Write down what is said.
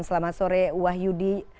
selamat sore wahyudi